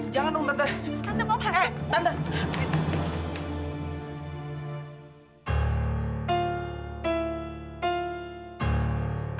tante mau masuk